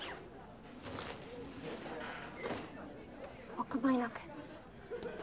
お構いなく。